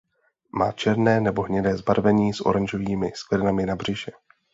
Má černé nebo hnědé zbarvení s oranžovými skvrnami na břiše.